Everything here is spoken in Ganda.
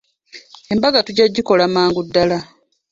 Embaga tujja kugikola mangu ddala.